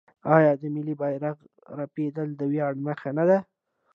آیا د ملي بیرغ رپیدل د ویاړ نښه نه ده؟